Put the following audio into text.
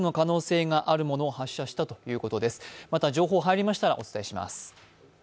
また情報が入りましたらお伝えします。